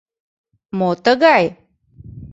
— Мо тыгай?